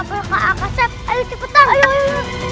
bakar artist ini akan menyerang randomized atau merebak